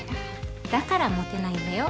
だからモテないんだよ。